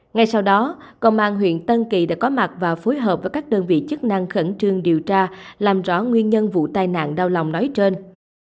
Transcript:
ngay sau đó công an huyện tân kỳ đã có mặt và phối hợp với các đơn vị chức năng khẩn trương điều tra làm rõ nguyên nhân vụ tai nạn đau lòng nói trên